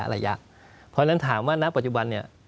เพราะฉะนั้นถามว่าณปัจจุบันเนี่ย